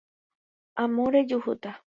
Amo rejuhúta